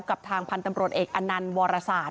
กับทางพันธ์ตำรวจเอกอันนันวรษาท